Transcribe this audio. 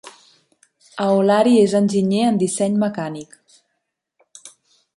Aolari és enginyer en disseny mecànic.